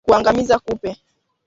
Kuangamiza kupe